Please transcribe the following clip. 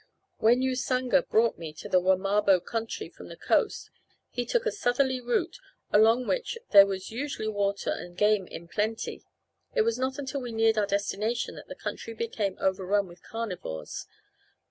When Usanga brought me to the Wamabo country from the coast he took a southerly route along which there was usually water and game in plenty. It was not until we neared our destination that the country became overrun with carnivores.